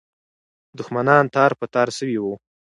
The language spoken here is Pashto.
دښمنان تار په تار سوي وو.